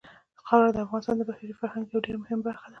خاوره د افغانستان د بشري فرهنګ یوه ډېره مهمه برخه ده.